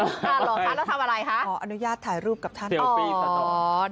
เหรอคะแล้วทำอะไรคะขออนุญาตถ่ายรูปกับท่าน